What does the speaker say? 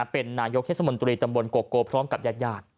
เป็นนายกเทศมนตรีตำบลโกโกพร้อมกับญาติ